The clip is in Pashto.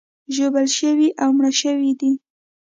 ژوبل شوي او مړه شوي دي.